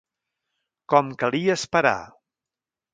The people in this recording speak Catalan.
Com calia esperar.